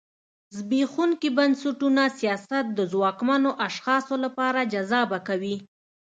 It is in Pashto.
زبېښونکي بنسټونه سیاست د ځواکمنو اشخاصو لپاره جذابه کوي.